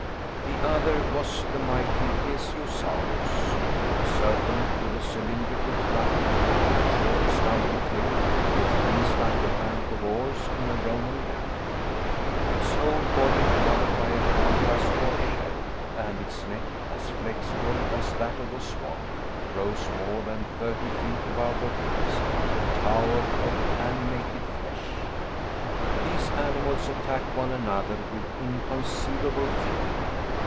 The other was the mighty Plesiosaurus, a serpent with a cylindrical trunk, with a short stumpy tail, with fins like a bank of oars in a Roman galley. Its whole body covered by a carapace or shell, and its neck, as flexible as that of a swan, rose more than thirty feet above the waves, a tower of animated flesh! These animals attacked one another with inconceivable fury.